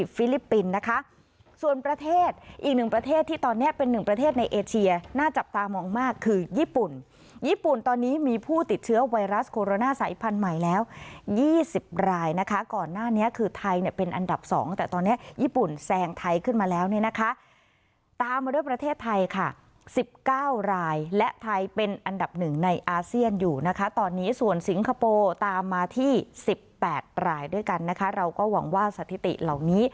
ฟิลิปปินส์นะคะส่วนประเทศอีก๑ประเทศที่ตอนนี้เป็น๑ประเทศในเอเชียหน้าจับตามองมากคือญี่ปุ่นญี่ปุ่นตอนนี้มีผู้ติดเชื้อไวรัสโคโรนาสัยพันธุ์ใหม่แล้ว๒๐รายนะคะก่อนหน้านี้คือไทยเป็นอันดับ๒แต่ตอนนี้ญี่ปุ่นแซงไทยขึ้นมาแล้วเนี่ยนะคะตามมาด้วยประเทศไทยค่ะ๑๙รายและไทยเป็นอันดับ